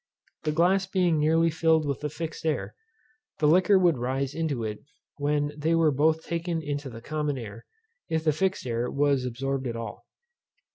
This glass being necessarily filled with the fixed air, the liquor would rise into it when they were both taken into the common air, if the fixed air was absorbed at all.